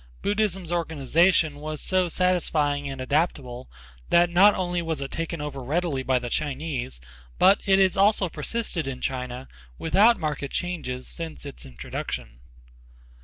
Buddhism's organization was so satisfying and adaptable that not only was it taken over readily by the Chinese, but it has also persisted in China without marked changes since its introduction.